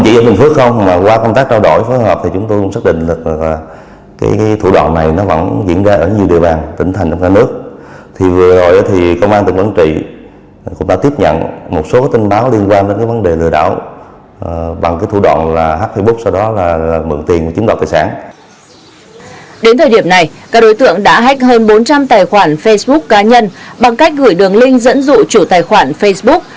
đến thời điểm này các đối tượng đã hách hơn bốn trăm linh tài khoản facebook cá nhân bằng cách gửi đường link dẫn dụ chủ tài khoản facebook